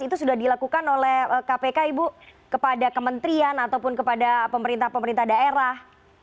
itu sudah dilakukan oleh kpk ibu kepada kementerian ataupun kepada pemerintah pemerintah daerah